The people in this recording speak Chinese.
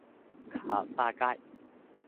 卡萨盖。